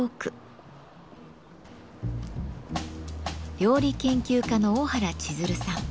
料理研究家の大原千鶴さん。